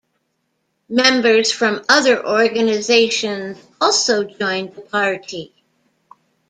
Members from other organisations also joined the party.